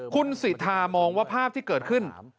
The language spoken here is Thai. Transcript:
คุณสิทธามองว่าภาพที่เกิดขึ้น